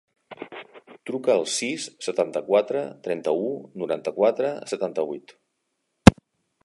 Truca al sis, setanta-quatre, trenta-u, noranta-quatre, setanta-vuit.